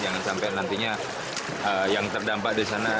jangan sampai nantinya yang terdampak di sana